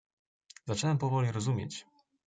"„Zacząłem powoli rozumieć."